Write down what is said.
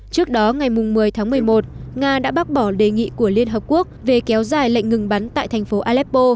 trước đó ngày một mươi tháng một mươi một nga đã bác bỏ đề nghị của liên hợp quốc về kéo dài lệnh ngừng bắn tại thành phố aleppo